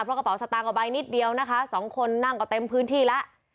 เพราะกระเป๋าสตางค์ใบนิดเดียวนะคะสองคนนั่งก็เต็มพื้นที่แล้ว